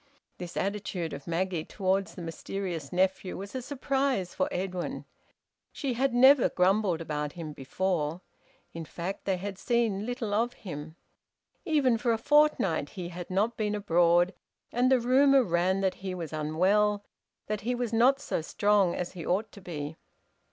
This attitude of Maggie towards the mysterious nephew was a surprise for Edwin. She had never grumbled about him before. In fact they had seen little of him. For a fortnight he had not been abroad, and the rumour ran that he was unwell, that he was `not so strong as he ought to be.'